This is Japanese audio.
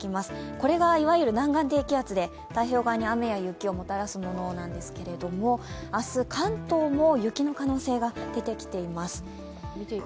これがいわゆる南岸低気圧で太平洋側に雨や雪をもたらすものなんですけど明日、関東も雪の可能性が出てきています。